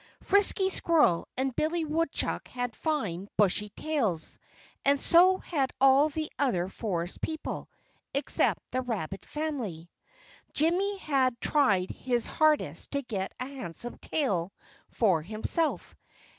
Frisky Squirrel and Billy Woodchuck had fine, bushy tails; and so had all the other forest people, except the Rabbit family. Jimmy had tried his hardest to get a handsome tail for himself.